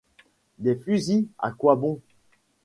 Des fusils ! à quoi bon ?